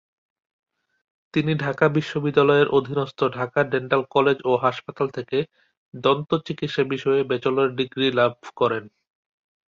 তিনি ঢাকা বিশ্ববিদ্যালয়ের অধীনস্থ ঢাকা ডেন্টাল কলেজ ও হাসপাতাল থেকে দন্ত চিকিৎসা বিষয়ে ব্যাচেলর ডিগ্রি লাভ করেন।